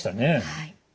はい。